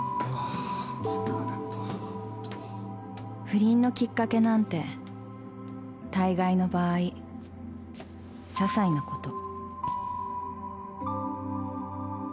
不倫のきっかけなんて大概の場合、些細なこと。